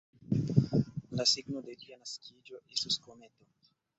La signo de lia naskiĝo estus kometo.